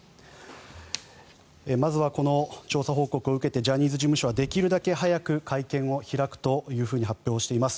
まずはこの調査報告を受けてジャニーズ事務所はできるだけ早く会見を開くというふうに発表しています。